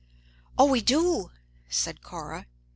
"Oh, we do!" said Cora.